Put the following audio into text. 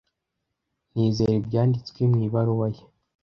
Nizera ibyanditswe mu ibaruwa ye.